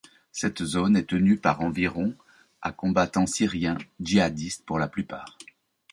Cette zone est tenue par environ à combattants syriens, djihadistes pour la plupart.